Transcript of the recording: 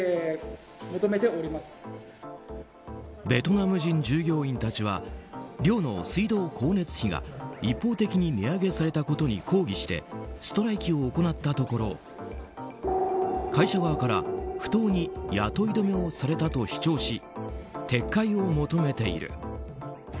ベトナム人従業員たちは寮の水道光熱費が一方的に値上げされたことに抗議してストライキを行ったところ会社側から不当に雇い止めをされたと主張し撤回を求めている。